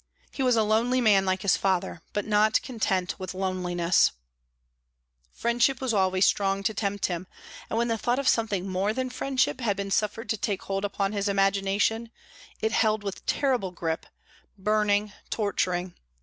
He was a lonely man like his father, but not content with loneliness; friendship was always strong to tempt him, and when the thought of something more than friendship had been suffered to take hold upon his imagination, it held with terrible grip, burning, torturing.